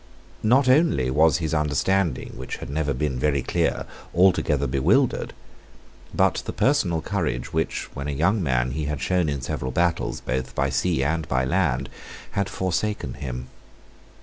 Not only was his understanding, which had never been very clear, altogether bewildered: but the personal courage which, when a young man, he had shown in several battles, both by sea and by land, had forsaken him.